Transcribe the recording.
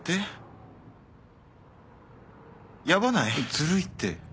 ずるいって。